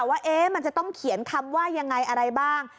ว่ามันจะต้องเขียนคำว่ายังไงอะไรบ้าง